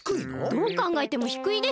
どうかんがえてもひくいでしょ。